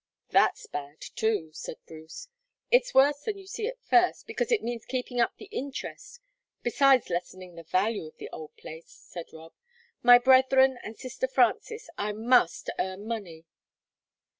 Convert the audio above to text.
"That's bad, too," said Bruce. "It's worse than you see at first, because it means keeping up the interest, besides lessening the value of the old place," said Rob. "My brethren and sister Frances, I must earn money."